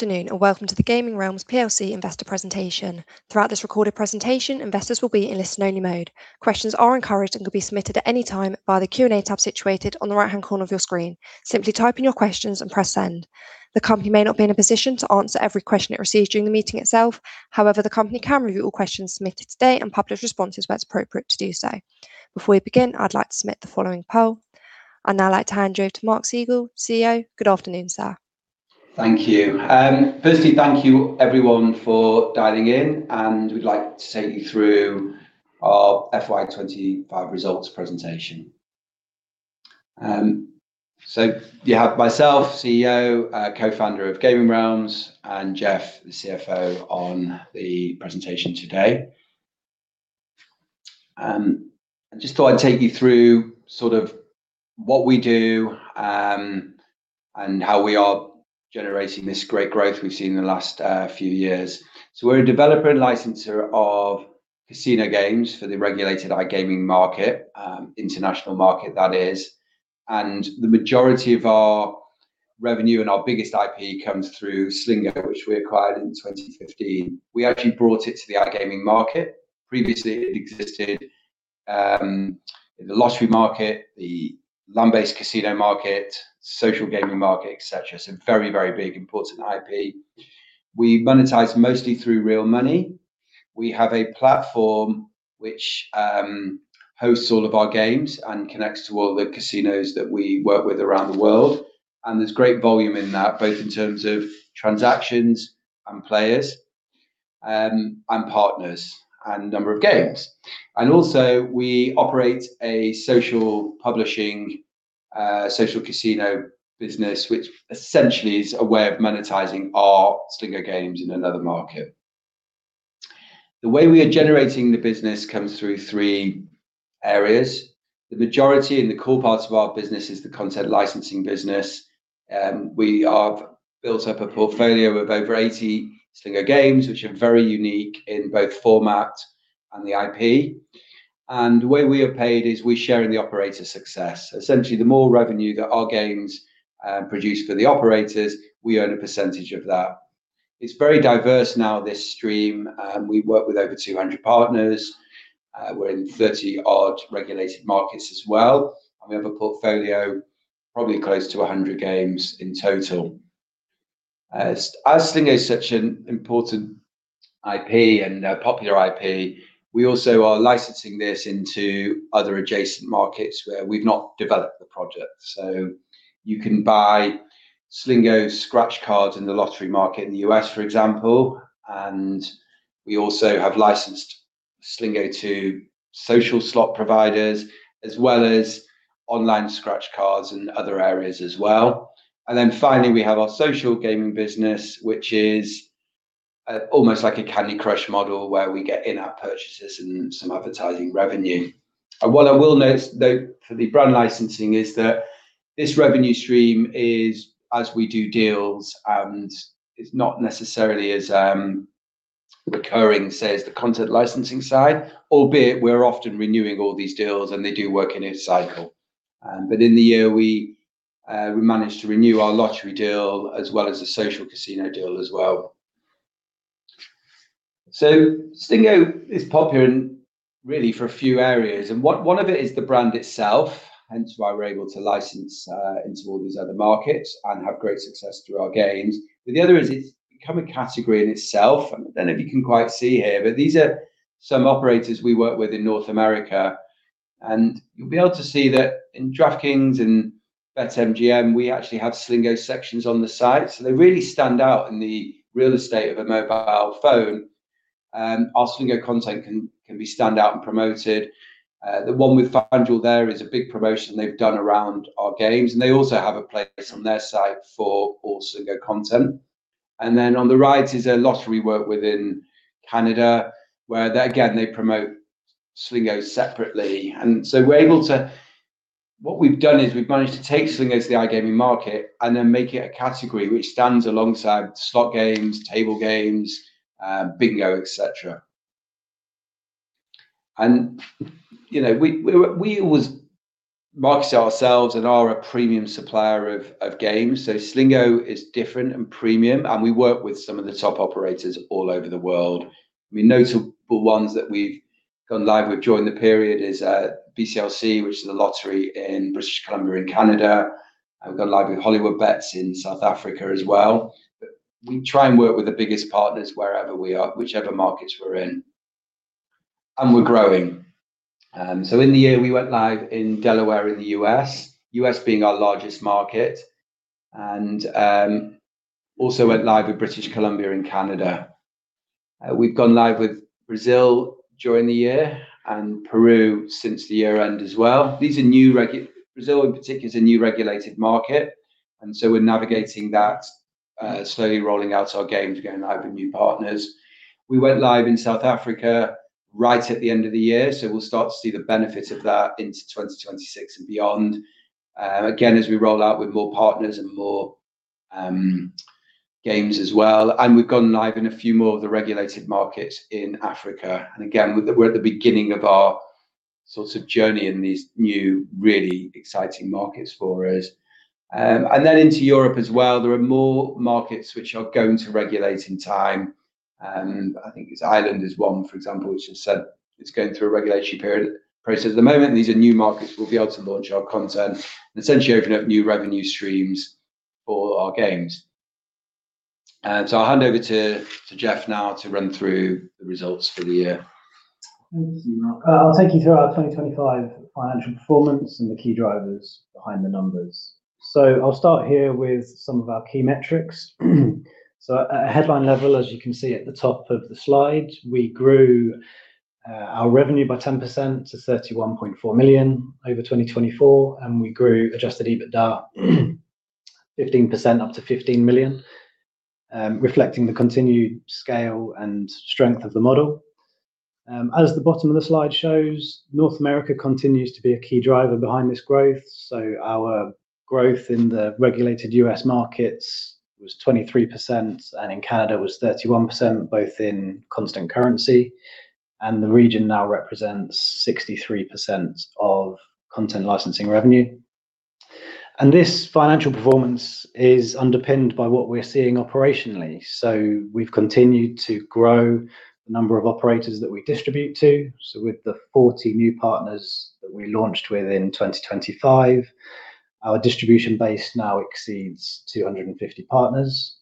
Afternoon and welcome to the Gaming Realms plc investor presentation. Throughout this recorded presentation, investors will be in listen-only mode. Questions are encouraged and can be submitted at any time via the Q&A tab situated on the right-hand corner of your screen. Simply type in your questions and press send. The company may not be in a position to answer every question it receives during the meeting itself. However, the company can review all questions submitted today and publish responses where it's appropriate to do so. Before we begin, I'd like to submit the following poll. I'd now like to hand you over to Mark Segal, CEO. Good afternoon, sir. Thank you. Firstly, thank you everyone for dialing in and we'd like to take you through our FY 2025 results presentation. You have myself, CEO, Co-Founder of Gaming Realms, and Geoff Green, the CFO on the presentation today. I just thought I'd take you through sort of what we do and how we are generating this great growth we've seen in the last few years. We're a developer and licensor of casino games for the regulated iGaming market, international market that is. The majority of our revenue and our biggest IP comes through Slingo, which we acquired in 2015. We actually brought it to the iGaming market. Previously, it existed in the lottery market, the land-based casino market, social gaming market, et cetera. Very, very big important IP. We monetize mostly through real money. We have a platform which hosts all of our games and connects to all the casinos that we work with around the world. And there's great volume in that, both in terms of transactions and players, and partners, and number of games. Also we operate a social publishing, social casino business, which essentially is a way of monetizing our Slingo games in another market. The way we are generating the business comes through three areas. The majority and the core parts of our business is the Content Licensing business. We have built up a portfolio of over 80 Slingo games, which are very unique in both format and the IP. The way we are paid is we share in the operator success. Essentially, the more revenue that our games produce for the operators, we earn a percentage of that. It's very diverse now, this stream. We work with over 200 partners. We're in 30-odd regulated markets as well. We have a portfolio probably close to 100 games in total. As Slingo is such an important IP and a popular IP, we also are licensing this into other adjacent markets where we've not developed the project. You can buy Slingo scratch cards in the lottery market in the U.S., for example, and we also have licensed Slingo to social slot providers as well as online scratch cards and other areas as well. We have our Social Gaming business which is almost like a Candy Crush model where we get in-app purchases and some advertising revenue. What I will note though for the Brand Licensing is that this revenue stream is as we do deals and is not necessarily as recurring, say as the Content Licensing side, albeit we're often renewing all these deals and they do work in a cycle. In the year we managed to renew our lottery deal as well as the social casino deal as well. Slingo is popular in really for a few areas and one of it is the brand itself, hence why we're able to license into all these other markets and have great success through our games. The other is it's become a category in itself, and I don't know if you can quite see here, but these are some operators we work with in North America, and you'll be able to see that in DraftKings and BetMGM, we actually have Slingo sections on the site. They really stand out in the real estate of a mobile phone. Our Slingo content can be stand out and promoted. The one with FanDuel there is a big promotion they've done around our games, and they also have a place on their site for all Slingo content. Then on the right is a lottery we work with in Canada where again they promote Slingo separately. What we've done is we've managed to take Slingo to the iGaming market and then make it a category which stands alongside slot games, table games, bingo, et cetera. We always market ourselves and are a premium supplier of games. Slingo is different and premium, and we work with some of the top operators all over the world. I mean, notable ones that we've gone live with during the period is BCLC, which is the lottery in British Columbia in Canada. We've gone live with Hollywoodbets in South Africa as well. We try and work with the biggest partners wherever we are, whichever markets we're in. We're growing. In the year we went live in Delaware in the U.S. U.S. being our largest market, and also went live with British Columbia in Canada. We've gone live with Brazil during the year and Peru since the year end as well. Brazil in particular is a new regulated market, and so we're navigating that, slowly rolling out our games, going live with new partners. We went live in South Africa right at the end of the year, so we'll start to see the benefit of that into 2026 and beyond. Again, as we roll out with more partners and more games as well. We've gone live in a few more of the regulated markets in Africa. Again, we're at the beginning of our sort of journey in these new, really exciting markets for us. Then into Europe as well, there are more markets which are going to regulate in time. I think Ireland is one, for example, which has said it's going through a regulatory process at the moment, and these are new markets we'll be able to launch our content and essentially open up new revenue streams for our games. I'll hand over to Geoff now to run through the results for the year. Thank you, Mark. I'll take you through our 2025 financial performance and the key drivers behind the numbers. I'll start here with some of our key metrics. At a headline level, as you can see at the top of the slide, we grew our revenue by 10% to 31.4 million over 2024, and we grew Adjusted EBITDA 15% up to 15 million, reflecting the continued scale and strength of the model. As the bottom of the slide shows, North America continues to be a key driver behind this growth. Our growth in the regulated U.S. markets was 23% and in Canada was 31%, both in constant currency. The region now represents 63% of Content Licensing revenue. This financial performance is underpinned by what we're seeing operationally. We've continued to grow the number of operators that we distribute to. With the 40 new partners that we launched with in 2025, our distribution base now exceeds 250 partners.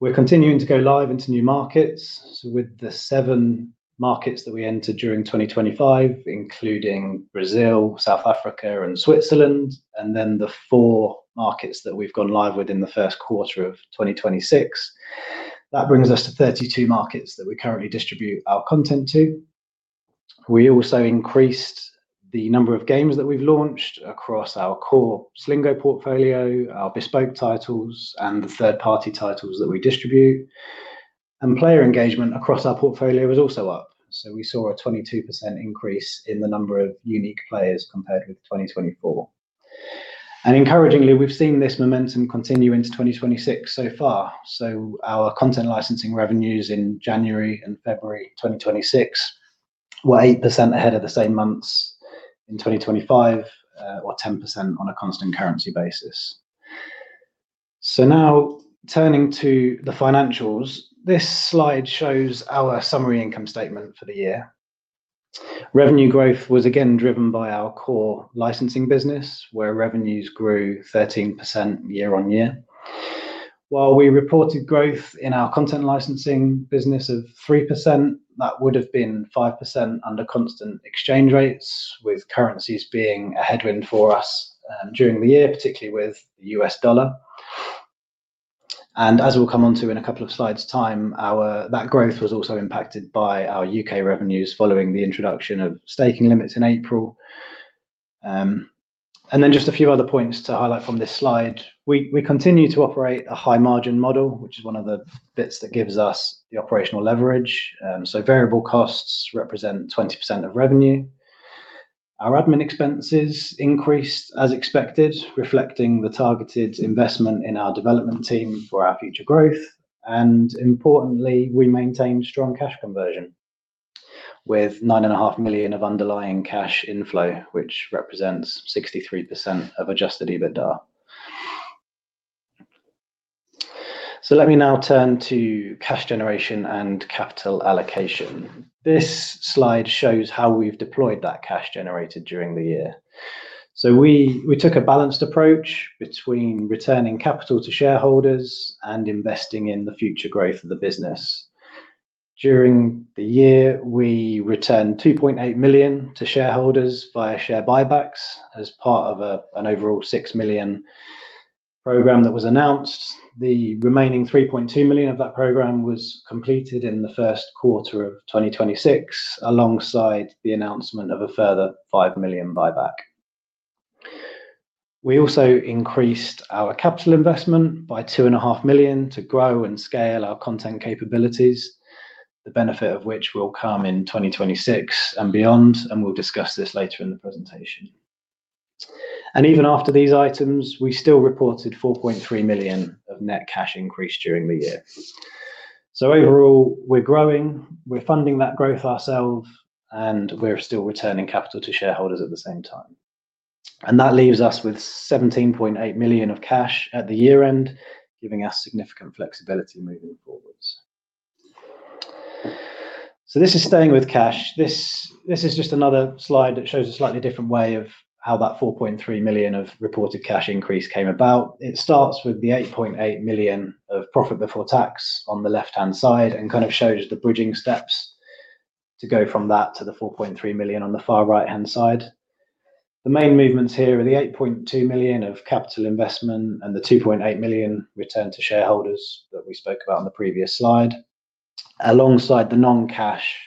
We're continuing to go live into new markets. With the seven markets that we entered during 2025, including Brazil, South Africa, and Switzerland, and then the four markets that we've gone live with in the first quarter of 2026, that brings us to 32 markets that we currently distribute our content to. We also increased the number of games that we've launched across our core Slingo portfolio, our bespoke titles, and the third-party titles that we distribute. Player engagement across our portfolio is also up. We saw a 22% increase in the number of unique players compared with 2024. Encouragingly, we've seen this momentum continue into 2026 so far. Our Content Licensing revenues in January and February 2026 were 8% ahead of the same months in 2025, or 10% on a constant currency basis. Now turning to the financials. This slide shows our summary income statement for the year. Revenue growth was again driven by our core licensing business, where revenues grew 13% year-over-year. While we reported growth in our Content Licensing business of 3%, that would have been 5% under constant currency, with currencies being a headwind for us during the year, particularly with the U.S. dollar. As we'll come onto in a couple of slides' time, that growth was also impacted by our U.K. revenues following the introduction of staking limits in April. Then just a few other points to highlight from this slide. We continue to operate a high margin model, which is one of the bits that gives us the operational leverage. Variable costs represent 20% of revenue. Our admin expenses increased as expected, reflecting the targeted investment in our development team for our future growth. Importantly, we maintained strong cash conversion with 9.5 million of underlying cash inflow, which represents 63% of Adjusted EBITDA. Let me now turn to cash generation and capital allocation. This slide shows how we've deployed that cash generated during the year. We took a balanced approach between returning capital to shareholders and investing in the future growth of the business. During the year, we returned 2.8 million to shareholders via share buybacks as part of an overall 6 million program that was announced. The remaining 3.2 million of that program was completed in the first quarter of 2026, alongside the announcement of a further 5 million buyback. We also increased our capital investment by 2.5 million to grow and scale our content capabilities, the benefit of which will come in 2026 and beyond, and we'll discuss this later in the presentation. Even after these items, we still reported 4.3 million of net cash increase during the year. Overall, we're growing, we're funding that growth ourselves, and we're still returning capital to shareholders at the same time. That leaves us with 17.8 million of cash at the year-end, giving us significant flexibility moving forward. This is staying with cash. This is just another slide that shows a slightly different way of how that 4.3 million of reported cash increase came about. It starts with 8.8 million of profit before tax on the left-hand side and kind of shows the bridging steps to go from that to 4.3 million on the far right-hand side. The main movements here are 8.2 million of capital investment and 2.8 million return to shareholders that we spoke about on the previous slide, alongside the non-cash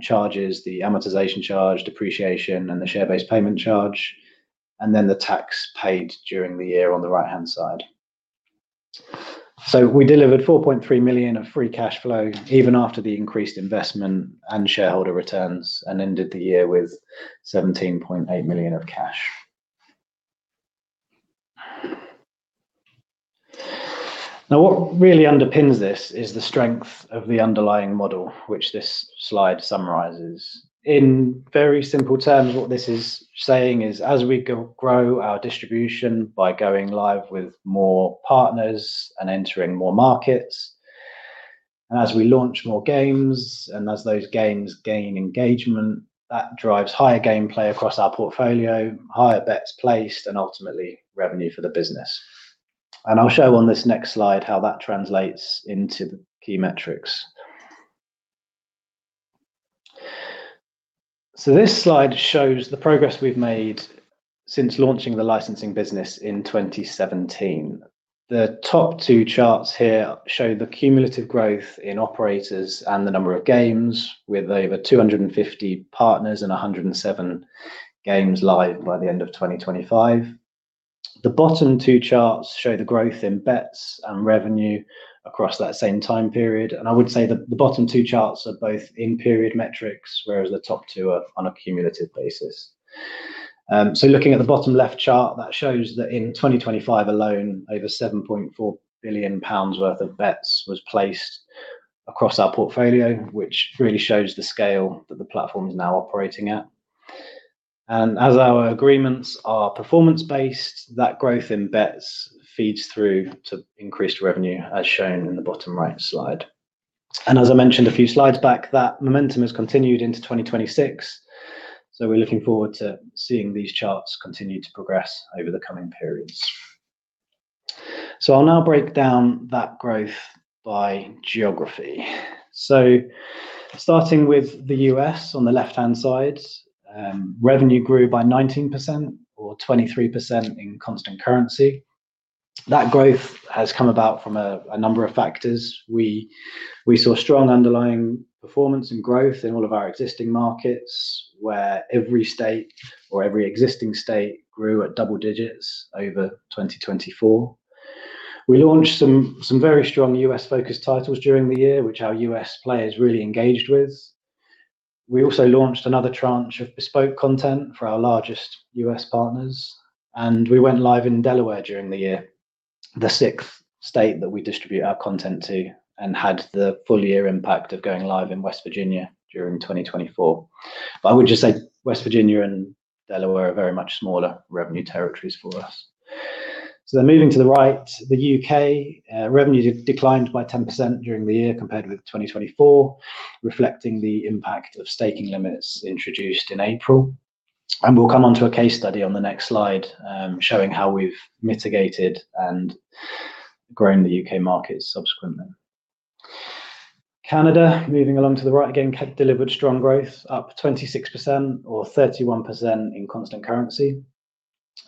charges, the amortization charge, depreciation, and the share-based payment charge, and then the tax paid during the year on the right-hand side. We delivered 4.3 million of free cash flow even after the increased investment and shareholder returns and ended the year with 17.8 million of cash. Now, what really underpins this is the strength of the underlying model, which this slide summarizes. In very simple terms, what this is saying is as we grow our distribution by going live with more partners and entering more markets. And as we launch more games, and as those games gain engagement, that drives higher gameplay across our portfolio, higher bets placed, and ultimately revenue for the business. I'll show on this next slide how that translates into the key metrics. This slide shows the progress we've made since launching the licensing business in 2017. The top two charts here show the cumulative growth in operators and the number of games, with over 250 partners, and 107 games live by the end of 2025. The bottom two charts show the growth in bets and revenue across that same time period. I would say the bottom two charts are both in-period metrics, whereas the top two are on a cumulative basis. Looking at the bottom left chart, that shows that in 2025 alone, over 7.4 billion pounds worth of bets was placed across our portfolio, which really shows the scale that the platform is now operating at. As our agreements are performance-based, that growth in bets feeds through to increased revenue, as shown in the bottom right slide. As I mentioned a few slides back, that momentum has continued into 2026, so we're looking forward to seeing these charts continue to progress over the coming periods. I'll now break down that growth by geography. Starting with the U.S. on the left-hand side, revenue grew by 19% or 23% in constant currency. That growth has come about from a number of factors. We saw strong underlying performance and growth in all of our existing markets, where every state or every existing state grew at double digits over 2024. We launched some very strong U.S.-focused titles during the year, which our U.S. players really engaged with. We also launched another tranche of bespoke content for our largest U.S. partners, and we went live in Delaware during the year. The sixth state that we distribute our content to, and had the full year impact of going live in West Virginia during 2024. I would just say West Virginia and Delaware are very much smaller revenue territories for us. Moving to the right, the U.K. revenue declined by 10% during the year compared with 2024, reflecting the impact of staking limits introduced in April. We'll come onto a case study on the next slide, showing how we've mitigated and grown the U.K. market subsequently. Canada, moving along to the right again, delivered strong growth, up 26% or 31% in constant currency.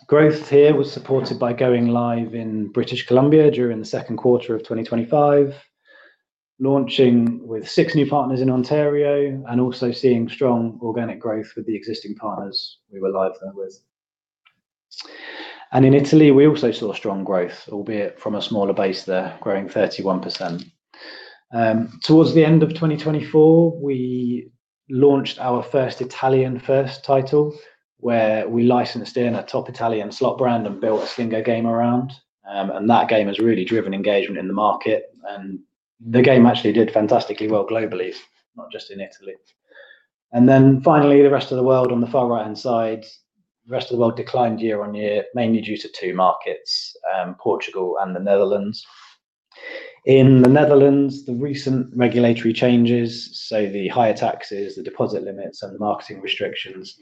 Growth here was supported by going live in British Columbia during the second quarter of 2025. Launching with six new partners in Ontario, and also seeing strong organic growth with the existing partners we were live there with. In Italy, we also saw strong growth, albeit from a smaller base there, growing 31%. Towards the end of 2024, we launched our first Italian title, where we licensed in a top Italian slot brand and built a Slingo game around. That game has really driven engagement in the market. The game actually did fantastically well globally, not just in Italy. Then finally, the rest of the world on the far right-hand side. The rest of the world declined year-on-year, mainly due to two markets, Portugal and the Netherlands. In the Netherlands, the recent regulatory changes, so the higher taxes, the deposit limits, and the marketing restrictions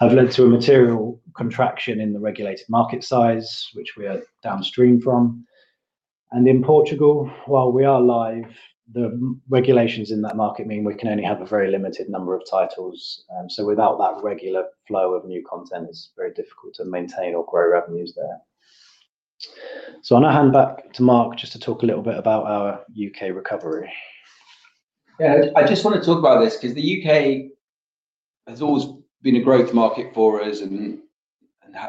have led to a material contraction in the regulated market size, which we are downstream from. In Portugal, while we are live, the regulations in that market mean we can only have a very limited number of titles. Without that regular flow of new content, it's very difficult to maintain or grow revenues there. I'll now hand back to Mark just to talk a little bit about our U.K. recovery. Yeah, I just want to talk about this because the U.K. has always been a growth market for us and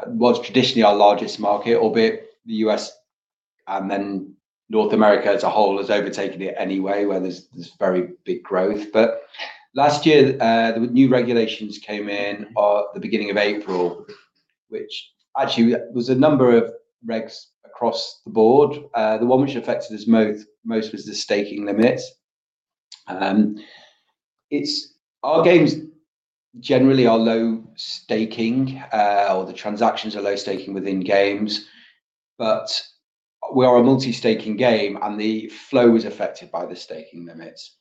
was traditionally our largest market, albeit the U.S. and then North America as a whole has overtaken it anyway, where there's very big growth. Last year, the new regulations came in at the beginning of April, which actually was a number of regs across the board. The one which affected us most was the staking limit. Our games generally are low staking, or the transactions are low staking within games. We are a multi-staking game and the flow is affected by the staking limits.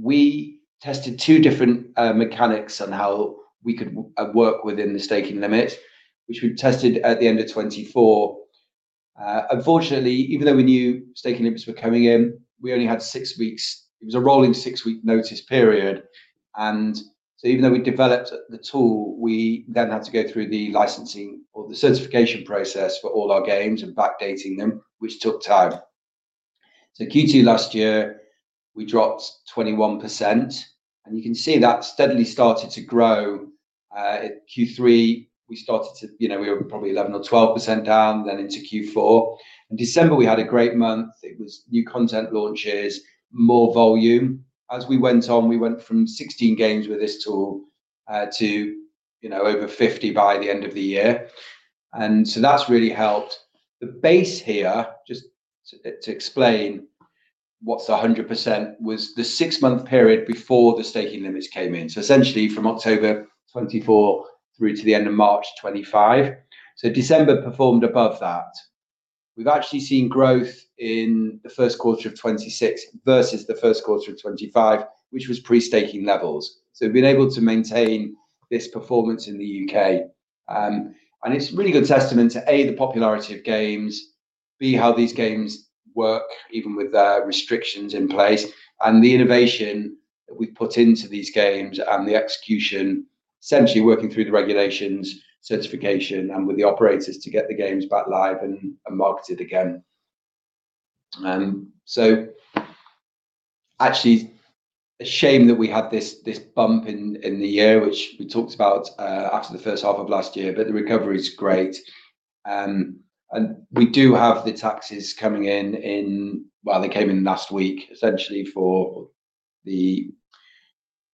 We tested two different mechanics on how we could work within the staking limit, which we tested at the end of 2024. Unfortunately, even though we knew staking limits were coming in, we only had six weeks. It was a rolling six-week notice period. Even though we developed the tool, we then had to go through the licensing or the certification process for all our games and backdating them, which took time. Q2 last year, we dropped 21% and you can see that steadily started to grow. At Q3, we were probably 11% or 12% down then into Q4. In December, we had a great month. It was new content launches, more volume. As we went on, we went from 16 games with this tool to over 50 by the end of the year. That's really helped. The base here, just to explain what's 100%, was the six-month period before the staking limits came in. Essentially from October 2024 through to the end of March 2025. December performed above that. We've actually seen growth in the first quarter of 2026 versus the first quarter of 2025, which was pre-staking levels. We've been able to maintain this performance in the U.K. It's a really good testament to, A, the popularity of games, B, how these games work, even with restrictions in place. And the innovation that we put into these games and the execution, essentially working through the regulations, certification, and with the operators to get the games back live and marketed again. Actually, a shame that we had this bump in the year, which we talked about after the first half of last year, but the recovery's great. We do have the taxes coming in. Well, they came in last week, essentially for the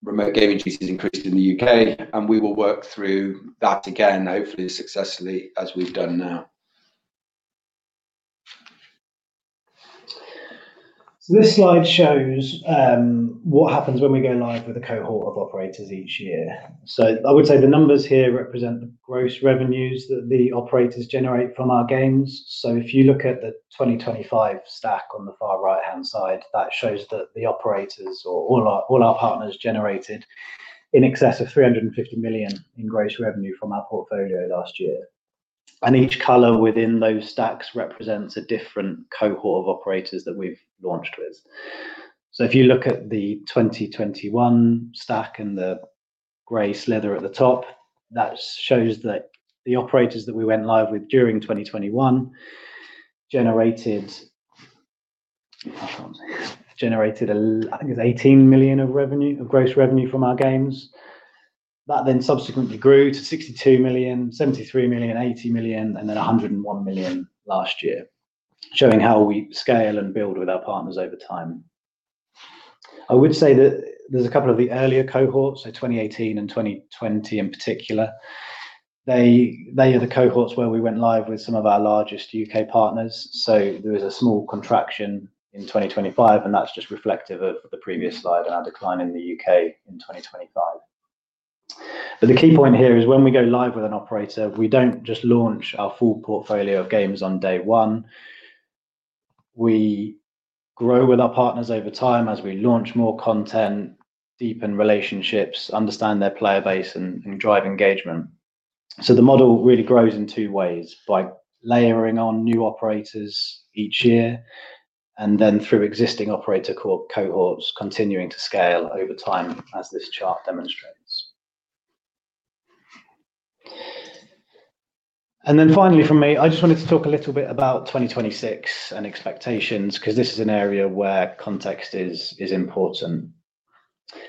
remote gaming duty increase in the U.K., and we will work through that again, hopefully as successfully as we've done now. This slide shows what happens when we go live with a cohort of operators each year. I would say the numbers here represent the gross revenues that the operators generate from our games. If you look at the 2025 stack on the far right-hand side, that shows that the operators or all our partners generated in excess of 350 million in gross revenue from our portfolio last year. Each color within those stacks represents a different cohort of operators that we've launched with. If you look at the 2021 stack and the gray sliver at the top, that shows that the operators that we went live with during 2021 generated, I think it was 18 million of gross revenue from our games. That then subsequently grew to 62 million, 73 million, 80 million, and then 101 million last year, showing how we scale and build with our partners over time. I would say that there's a couple of the earlier cohorts, so 2018 and 2020 in particular, they are the cohorts where we went live with some of our largest U.K. partners. There is a small contraction in 2025, and that's just reflective of the previous slide around decline in the U.K. in 2025. The key point here is when we go live with an operator, we don't just launch our full portfolio of games on day one. We grow with our partners over time as we launch more content, deepen relationships, understand their player base, and drive engagement. The model really grows in two ways, by layering on new operators each year and then through existing operator cohorts continuing to scale over time, as this chart demonstrates. Finally from me, I just wanted to talk a little bit about 2026 and expectations, because this is an area where context is important.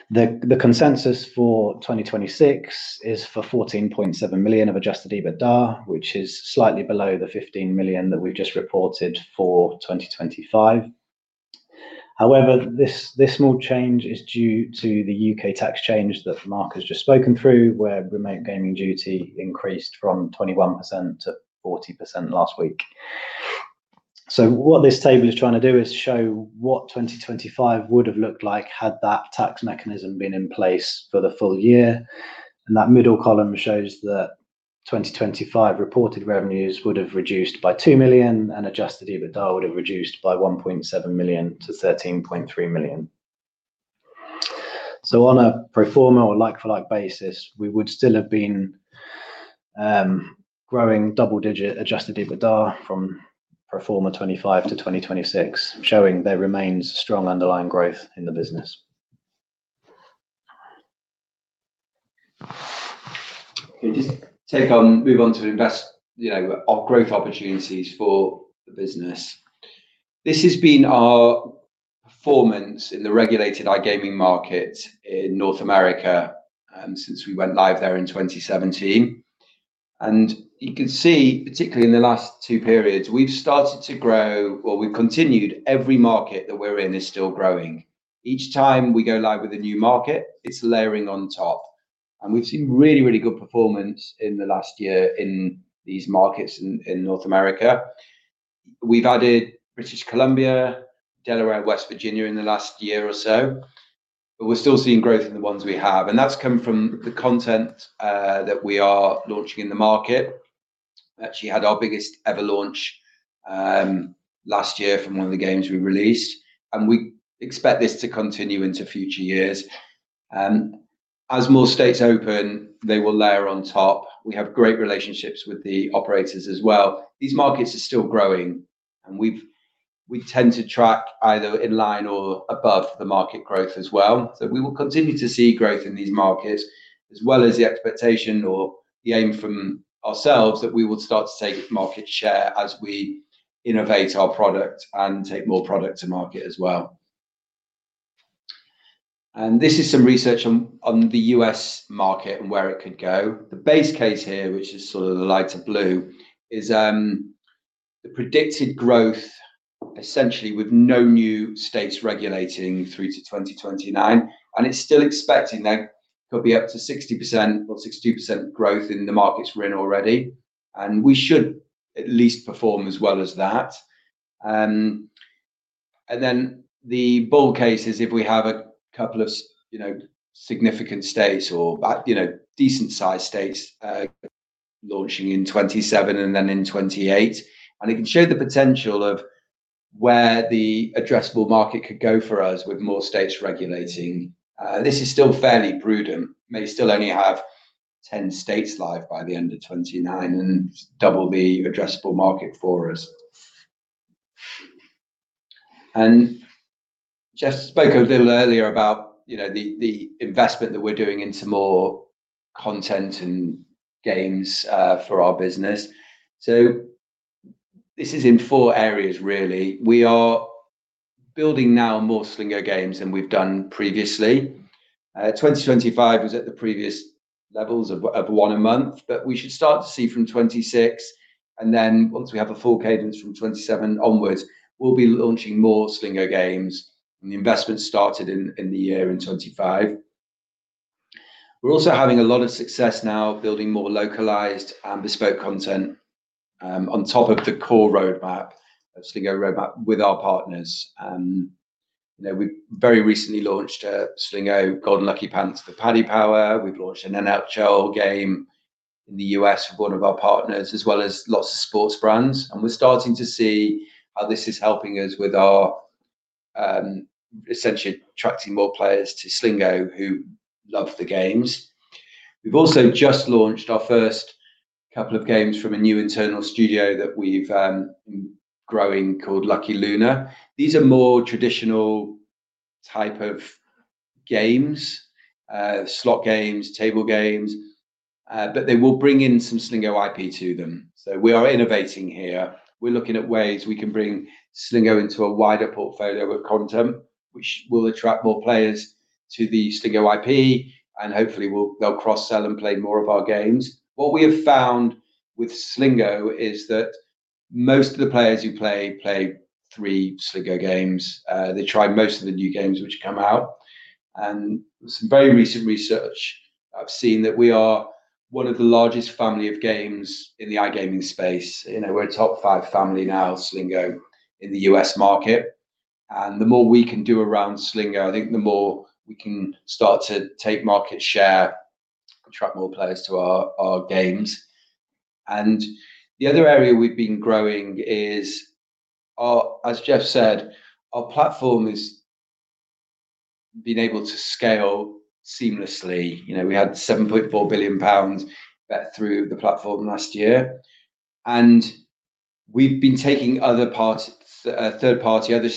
The consensus for 2026 is for 14.7 million of Adjusted EBITDA, which is slightly below the 15 million that we've just reported for 2025. However, this small change is due to the U.K. tax change that Mark has just spoken through, where Remote Gaming Duty increased from 21%-40% last week. What this table is trying to do is show what 2025 would have looked like had that tax mechanism been in place for the full year. That middle column shows that 2025 reported revenues would have reduced by 2 million and Adjusted EBITDA would have reduced by 1.7 million-13.3 million. On a pro forma or like-for-like basis, we would still have been growing double digit Adjusted EBITDA from pro forma 2025-2026, showing there remains strong underlying growth in the business. Okay. Just take on, we want to invest to growth opportunities for the business. This has been our performance in the regulated iGaming market in North America, since we went live there in 2017. You can see, particularly in the last two periods, we've started to grow or we've continued, every market that we're in is still growing. Each time we go live with a new market, it's layering on top. We've seen really, really good performance in the last year in these markets in North America. We've added British Columbia, Delaware, and West Virginia in the last year or so, but we're still seeing growth in the ones we have. That's come from the content that we are launching in the market. We actually had our biggest ever launch last year from one of the games we released, and we expect this to continue into future years. As more states open, they will layer on top. We have great relationships with the operators as well. These markets are still growing, and we tend to track either in line or above the market growth as well. We will continue to see growth in these markets as well as the expectation or the aim from ourselves that we will start to take market share as we innovate our product and take more product to market as well. This is some research on the U.S. market and where it could go. The base case here, which is the lighter blue, is the predicted growth, essentially with no new states regulating through to 2029, and it's still expecting there could be up to 60% or 62% growth in the markets we're in already, and we should at least perform as well as that. Then the bull case is if we have a couple of significant states or decent sized states launching in 2027 and then in 2028, and it can show the potential of where the addressable market could go for us with more states regulating. This is still fairly prudent. We may still only have 10 states live by the end of 2029 and double the addressable market for us. Geoff spoke a little earlier about the investment that we're doing into more content and games for our business. This is in four areas really. We are building now more Slingo games than we've done previously. 2025 was at the previous levels of one a month. We should start to see from 2026, and then once we have a full cadence from 2027 onwards, we'll be launching more Slingo games, and the investment started in the year-end 2025. We're also having a lot of success now building more localized and bespoke content, on top of the core roadmap, Slingo roadmap with our partners. We very recently launched a Slingo Golden Lucky Pants with Paddy Power. We've launched an NHL game in the U.S. with one of our partners, as well as lots of sports brands. We're starting to see how this is helping us with our, essentially attracting more players to Slingo who love the games. We've also just launched our first couple of games from a new internal studio that we've been growing called Lucky Lunar. These are more traditional type of games, slot games, table games, but they will bring in some Slingo IP to them. We are innovating here. We're looking at ways we can bring Slingo into a wider portfolio of content, which will attract more players to the Slingo IP, and hopefully they'll cross-sell and play more of our games. What we have found with Slingo is that most of the players who play three Slingo games. They try most of the new games which come out. Some very recent research I've seen that we are one of the largest family of games in the iGaming space. We're a top five family now, Slingo, in the U.S. market. The more we can do around Slingo, I think the more we can start to take market share, attract more players to our games. The other area we've been growing is, as Geoff said, our platform has been able to scale seamlessly. We had 7.4 billion pounds bet through the platform last year, and we've been taking other third-party, other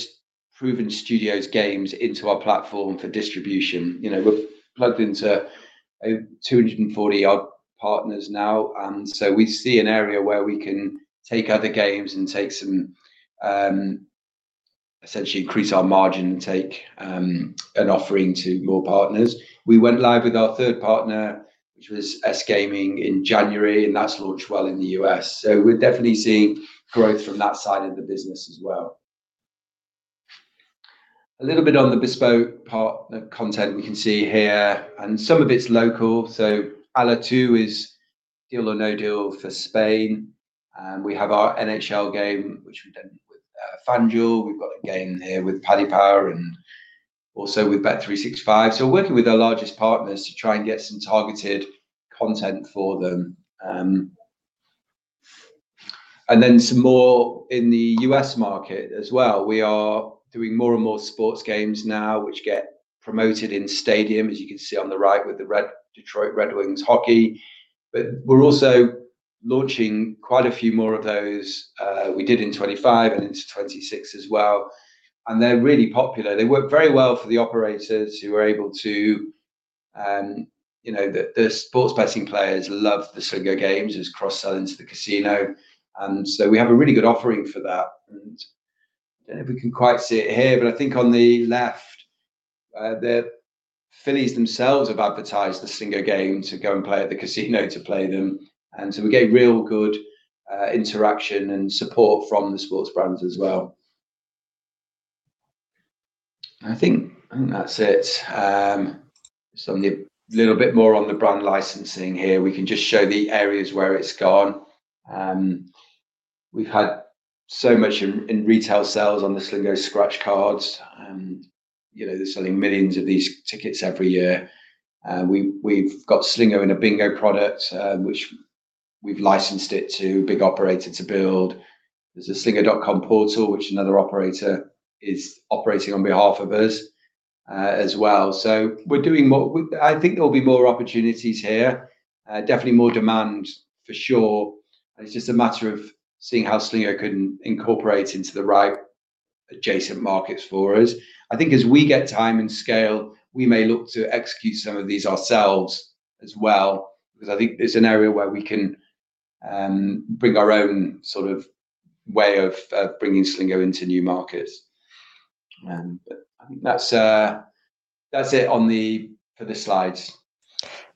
proven studios games into our platform for distribution. We're plugged into 240-odd partners now, and we see an area where we can take other games and take some, essentially increase our margin take, and offering to more partners. We went live with our third partner, which was S Gaming in January, and that's launched well in the U.S. We're definitely seeing growth from that side of the business as well. A little bit on the bespoke part, the content we can see here, and some of it's local. ¡Allá tú! is Deal or No Deal for Spain. We have our NHL game, which we've done with FanDuel. We've got a game here with Paddy Power and also with bet365. We're working with our largest partners to try and get some targeted content for them. Then some more in the U.S. market as well. We are doing more and more sports games now, which get promoted in stadium, as you can see on the right with the Detroit Red Wings hockey. We're also launching quite a few more of those. We did in 2025 and into 2026 as well. They're really popular. They work very well for the operators. The sports betting players love the Slingo games as cross-sell into the casino. We have a really good offering for that. Don't know if we can quite see it here, but I think on the left, the Phillies themselves have advertised the Slingo game to go and play at the casino, to play them. We get real good interaction and support from the sports brands as well. I think that's it. Just a little bit more on the Brand Licensing here. We can just show the areas where it's gone. We've had so much in retail sales on the Slingo scratch cards. They're selling millions of these tickets every year. We've got Slingo in a bingo product, which we've licensed it to a big operator to build. There's a slingo.com portal, which another operator is operating on behalf of us as well. We're doing more. I think there'll be more opportunities here. Definitely more demand for sure, and it's just a matter of seeing how Slingo can incorporate into the right adjacent markets for us. I think as we get time and scale, we may look to execute some of these ourselves as well, because I think it's an area where we can bring our own sort of way of bringing Slingo into new markets. I think that's it for the slides.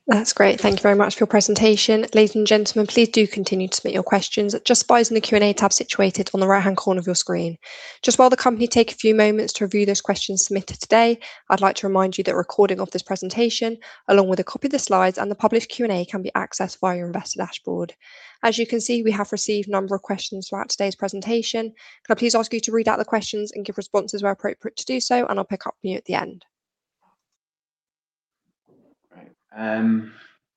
That's great. Thank you very much for your presentation. Ladies and gentlemen, please do continue to submit your questions just by using the Q&A tab situated on the right-hand corner of your screen. Just while the company take a few moments to review those questions submitted today, I'd like to remind you that a recording of this presentation, along with a copy of the slides and the published Q&A can be accessed via your investor dashboard. As you can see, we have received a number of questions throughout today's presentation. Can I please ask you to read out the questions and give responses where appropriate to do so, and I'll pick up you at the end. Great.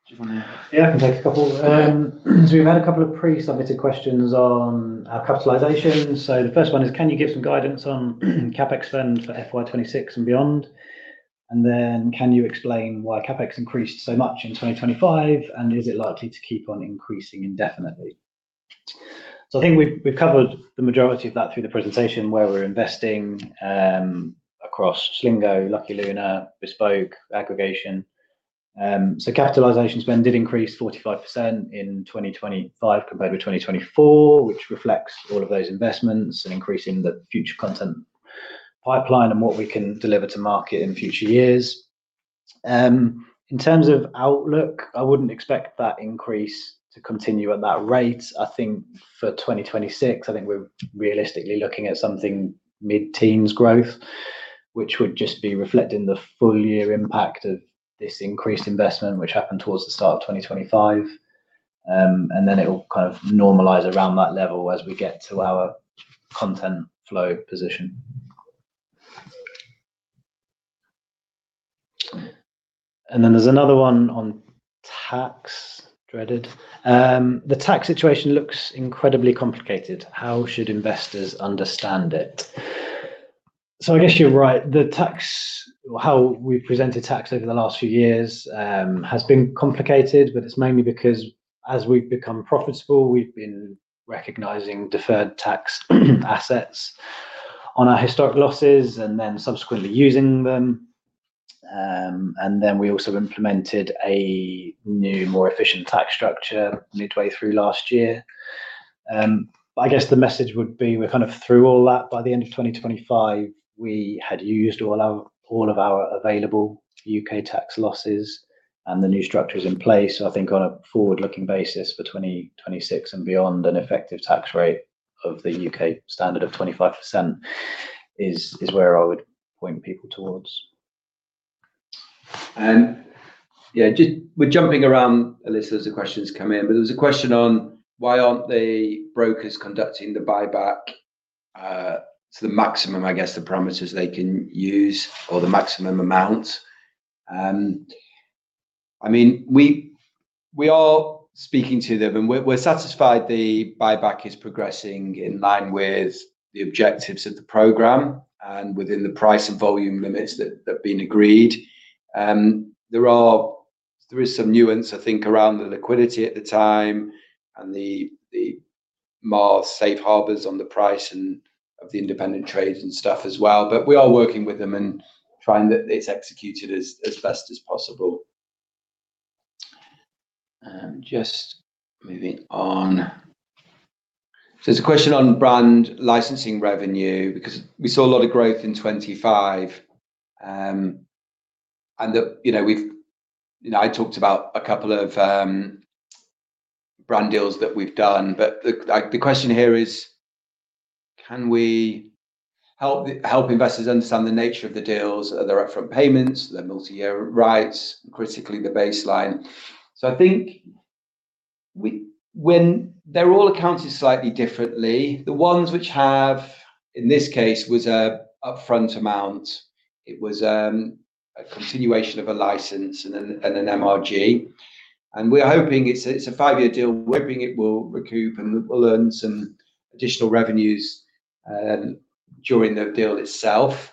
Do you want to? Yeah, I can take a couple. We've had a couple of pre-submitted questions on our capitalizations. The first one is, can you give some guidance on CapEx spend for FY 2026 and beyond? Can you explain why CapEx increased so much in 2025? And is it likely to keep on increasing indefinitely? I think we've covered the majority of that through the presentation where we're investing across Slingo, Lucky Lunar, bespoke, aggregation. CapEx spend did increase 45% in 2025 compared with 2024, which reflects all of those investments and increasing the future content pipeline and what we can deliver to market in future years. In terms of outlook, I wouldn't expect that increase to continue at that rate. I think for 2026, I think we're realistically looking at something mid-teens growth, which would just be reflecting the full year impact of this increased investment. Which happened towards the start of 2025. Then it will kind of normalize around that level as we get to our content flow position. Then there's another one on tax, complicated. The tax situation looks incredibly complicated. How should investors understand it? I guess you're right. The tax, how we presented tax over the last few years has been complicated, but it's mainly because as we've become profitable, we've been recognizing deferred tax assets on our historic losses and then subsequently using them. Then we also implemented a new, more efficient tax structure midway through last year. I guess the message would be we're kind of through all that. By the end of 2025, we had used all of our available U.K. tax losses and the new structure is in place. I think on a forward-looking basis for 2026 and beyond, an effective tax rate of the U.K. standard of 25% is where I would point people towards. Yeah, we're jumping around, as the questions come in, but there was a question on why aren't the brokers conducting the buyback to the maximum, I guess, the parameters they can use or the maximum amount. We are speaking to them, and we're satisfied the buyback is progressing in line with the objectives of the program and within the price and volume limits that have been agreed. There is some nuance, I think, around the liquidity at the time and the more safe harbors on the price and of the independent trades and stuff as well. We are working with them and trying that it's executed as best as possible. Just moving on. There's a question on Brand Licensing revenue, because we saw a lot of growth in 2025. I talked about a couple of brand deals that we've done, but the question here is can we help investors understand the nature of the deals? Are there upfront payments? Are there multi-year rights? Critically, the baseline. I think they're all accounted slightly differently. The ones which have, in this case, was a upfront amount. It was a continuation of a license and an MRG. It's a five-year deal, we're hoping it will recoup and we'll earn some additional revenues during the deal itself,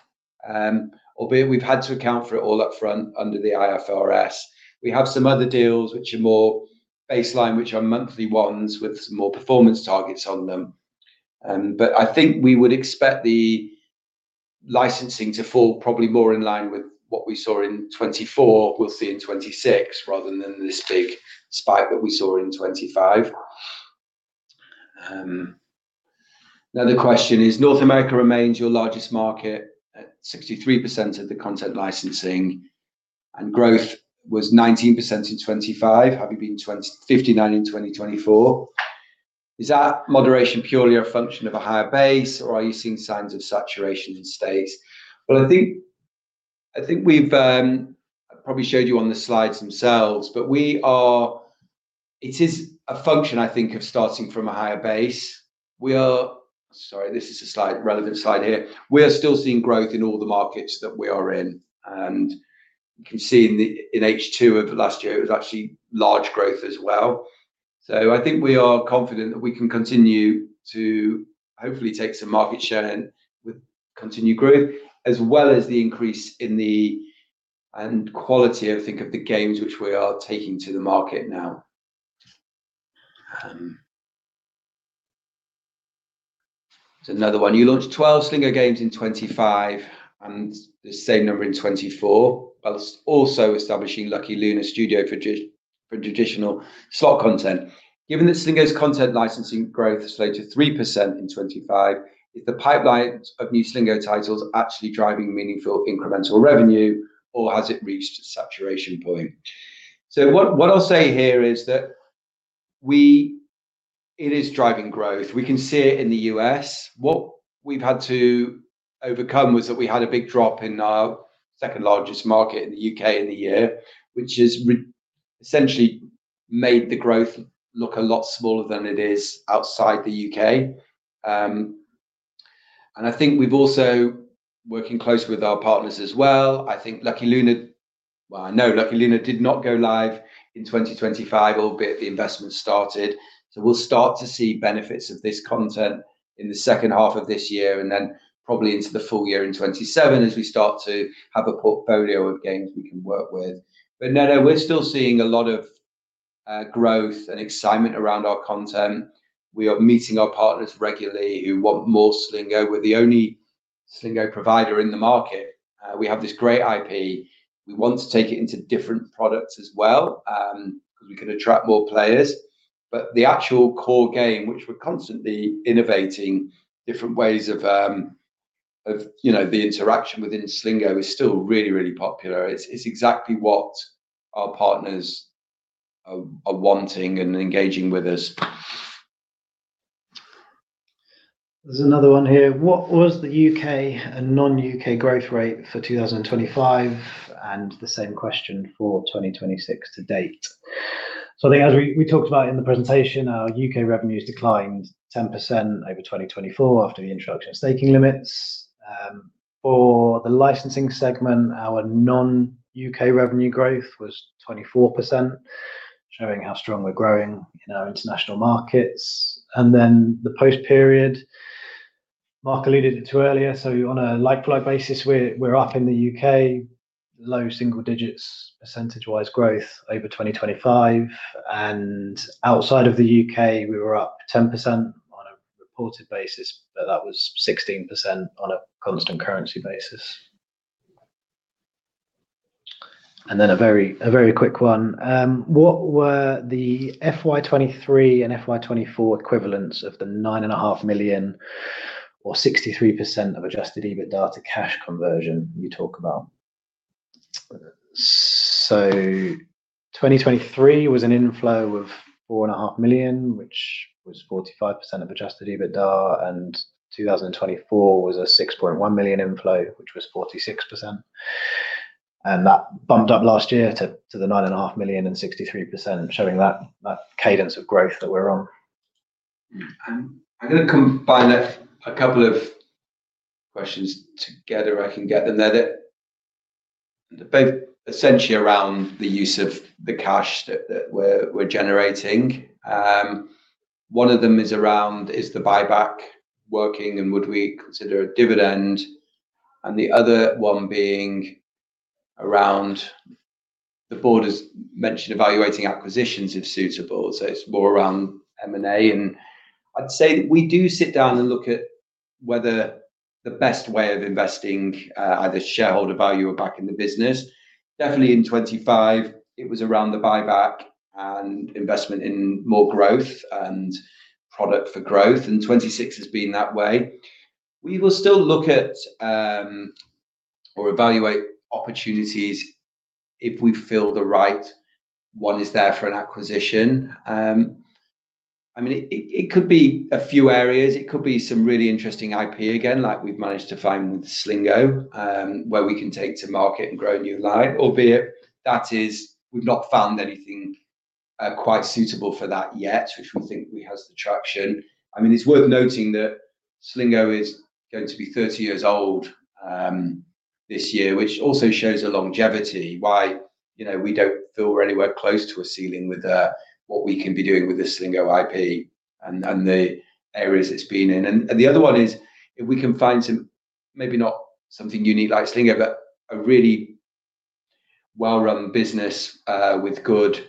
albeit we've had to account for it all upfront under the IFRS. We have some other deals which are more baseline, which are monthly ones with some more performance targets on them. I think we would expect the licensing to fall probably more in line with what we saw in 2024, we'll see in 2026, rather than this big spike that we saw in 2025. Another question is North America remains your largest market at 63% of the Content Licensing and growth was 19% in 2025, having been 59% in 2024. Is that moderation purely a function of a higher base or are you seeing signs of saturation in the States? Well, I think we've probably showed you on the slides themselves, but it is a function, I think, of starting from a higher base. Sorry, this is a relevant slide here. We are still seeing growth in all the markets that we are in, and you can see in H2 of last year, it was actually large growth as well. I think we are confident that we can continue to hopefully take some market share and with continued growth as well as the increase in the quality, I think, of the games which we are taking to the market now. There's another one. You launched 12 Slingo games in 2025, and the same number in 2024, but also establishing Lucky Lunar Studio for traditional slot content. Given that Slingo's Content Licensing growth is slated 3% in 2025, is the pipeline of new Slingo titles actually driving meaningful incremental revenue, or has it reached a saturation point? What I'll say here is that it is driving growth. We can see it in the U.S. What we've had to overcome was that we had a big drop in our second largest market in the U.K. in the year, which has essentially made the growth look a lot smaller than it is outside the U.K. I think we've also working closely with our partners as well. I think Lucky Lunar. Well, I know Lucky Lunar did not go live in 2025, albeit the investment started. We'll start to see benefits of this content in the second half of this year, and then probably into the full year in 2027 as we start to have a portfolio of games we can work with. No, we're still seeing a lot of growth and excitement around our content. We are meeting our partners regularly who want more Slingo. We're the only Slingo provider in the market. We have this great IP. We want to take it into different products as well, because we can attract more players. The actual core game, which we're constantly innovating different ways of the interaction within Slingo, is still really popular. It's exactly what our partners are wanting and engaging with us. There's another one here. What was the U.K. and non-U.K. growth rate for 2025, and the same question for 2026 to date? I think as we talked about in the presentation, our U.K. revenues declined 10% over 2024 after the introduction of staking limits. For the Licensing segment, our non-U.K. revenue growth was 24%, showing how strong we're growing in our international markets. The post period, Mark Segal alluded to it earlier, so on a like-for-like basis, we're up in the U.K., low-single digits, percentage-wise growth over 2025. Outside of the U.K., we were up 10% on a reported basis, but that was 16% on a constant currency basis. A very quick one. What were the FY 2023 and FY 2024 equivalents of the 9.5 million or 63% of Adjusted EBITDA to cash conversion you talk about? 2023 was an inflow of 4.5 million, which was 45% of Adjusted EBITDA, and 2024 was a 6.1 million inflow, which was 46%. That bumped up last year to the 9.5 million and 63%, showing that cadence of growth that we're on. I'm going to combine a couple of questions together. I can get them there. They're both essentially around the use of the cash that we're generating. One of them is around, is the buyback working, and would we consider a dividend? The other one being around the Board has mentioned evaluating acquisitions if suitable, so it's more around M&A. I'd say that we do sit down and look at whether the best way of investing either shareholder value or back in the business. Definitely in 2025, it was around the buyback and investment in more growth and product for growth, and 2026 has been that way. We will still look at or evaluate opportunities if we feel the right one is there for an acquisition. It could be a few areas. It could be some really interesting IP again, like we've managed to find with Slingo, where we can take to market and grow a new line. Albeit that is we've not found anything quite suitable for that yet, which we think has the traction. It's worth noting that Slingo is going to be 30 years old this year, which also shows a longevity, why we don't feel we're anywhere close to a ceiling with what we can be doing with the Slingo IP and the areas it's been in. The other one is if we can find some, maybe not something unique like Slingo, but a really well-run business with good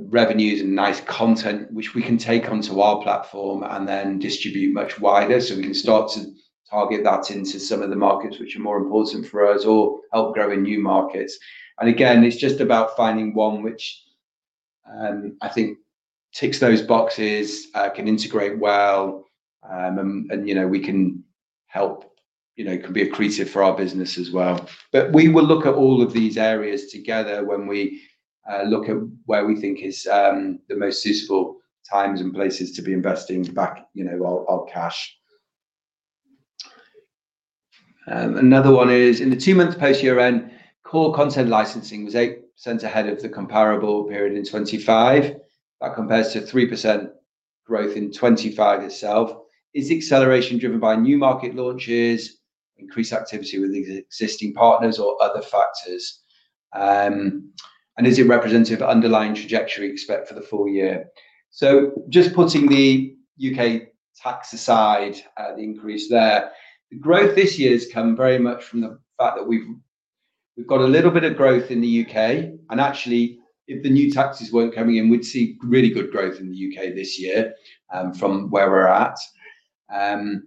revenues and nice content, which we can take onto our platform and then distribute much wider. So we can start to target that into some of the markets which are more important for us or help grow in new markets. Again, it's just about finding one which I think ticks those boxes, can integrate well, and can be accretive for our business as well. We will look at all of these areas together when we look at where we think is the most suitable times and places to be investing back our cash. Another one is, in the two-month post year-end, core Content Licensing was 8% ahead of the comparable period in 2025. That compares to 3% growth in 2025 itself. Is the acceleration driven by new market launches, increased activity with existing partners, or other factors? Is it representative of underlying trajectory you expect for the full year? Just putting the U.K. tax aside, the increase there. The growth this year has come very much from the fact that we've got a little bit of growth in the U.K., and actually, if the new taxes weren't coming in, we'd see really good growth in the U.K. this year from where we're at. In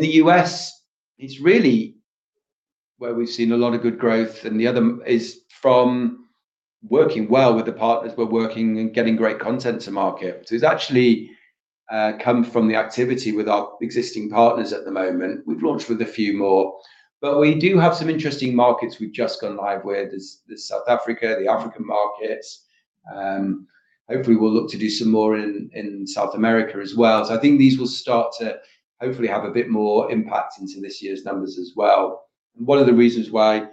the U.S., it's really where we've seen a lot of good growth, and the other is from working well with the partners we're working and getting great content to market. It's actually come from the activity with our existing partners at the moment. We've launched with a few more. We do have some interesting markets we've just gone live with. There's South Africa, the African markets. Hopefully, we'll look to do some more in South America as well. I think these will start to hopefully have a bit more impact into this year's numbers as well. One of the reasons why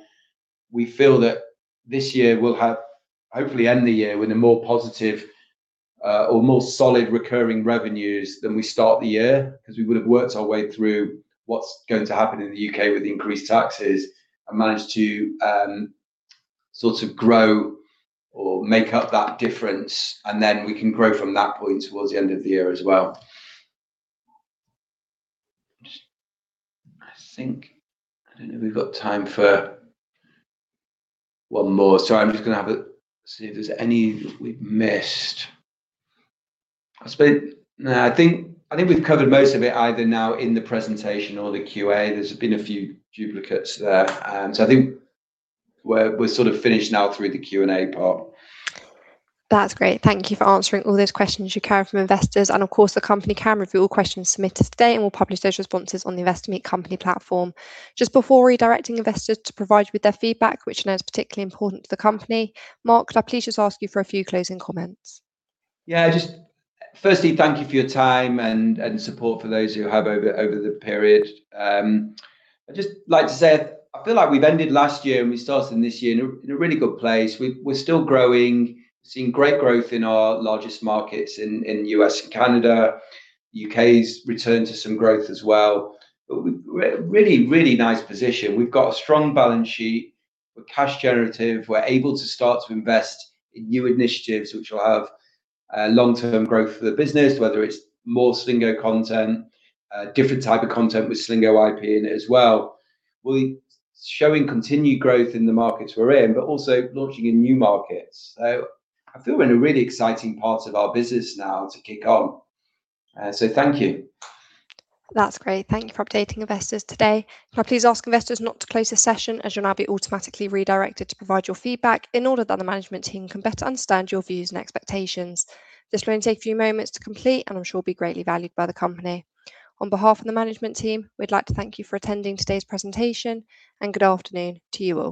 we feel that this year we'll hopefully end the year with a more positive or more solid recurring revenues than we start the year, because we will have worked our way through what's going to happen in the U.K. with the increased taxes and managed to sort of grow or make up that difference, and then we can grow from that point towards the end of the year as well. I think I don't know if we've got time for one more. I'm just going to have a see if there's any we've missed. I suppose, no, I think we've covered most of it either now in the presentation or the QA. There's been a few duplicates there. I think we're sort of finished now through the Q&A part. That's great. Thank you for answering all those questions you carry from investors, and of course, the company can review all questions submitted today, and we'll publish those responses on the Investor Meet Company platform. Just before redirecting investors to provide you with their feedback, which I know is particularly important to the company, Mark, could I please just ask you for a few closing comments? Yeah. Just firstly, thank you for your time and support for those who have over the period. I'd just like to say, I feel like we've ended last year and we started this year in a really good place. We're still growing, seeing great growth in our largest markets in U.S. and Canada. U.K.'s returned to some growth as well. But we're in a really, really nice position. We've got a strong balance sheet. We're cash generative. We're able to start to invest in new initiatives, which will have long-term growth for the business, whether it's more Slingo content, different type of content with Slingo IP in it as well. We're showing continued growth in the markets we're in, but also launching in new markets. I feel we're in a really exciting part of our business now to kick on. Thank you. That's great. Thank you for updating investors today. Can I please ask investors not to close the session as you'll now be automatically redirected to provide your feedback in order that the management team can better understand your views and expectations. This will only take a few moments to complete and I'm sure will be greatly valued by the company. On behalf of the management team, we'd like to thank you for attending today's presentation, and good afternoon to you all.